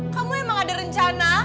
kamu emang ada rencana